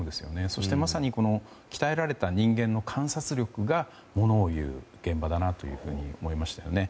そしてまさに鍛えられた人間の観察力がものをいう現場だなと思いました。